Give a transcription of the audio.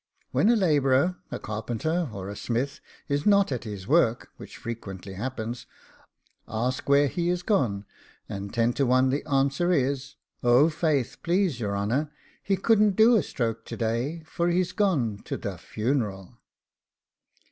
When a labourer, a carpenter, or a smith, is not at his work, which frequently happens, ask where he is gone, and ten to one the answer is 'Oh, faith, please your honour, he couldn't do a stroke to day, for he's gone to THE funeral.